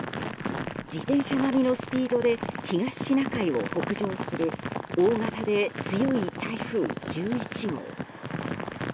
自転車並みのスピードで東シナ海を北上する大型で強い台風１１号。